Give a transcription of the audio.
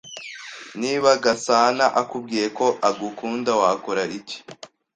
Niba Gasanaakubwiye ko agukunda, wakora iki?